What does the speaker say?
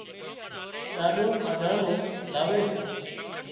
ڏاڏو کاڌا نُون لاوي سي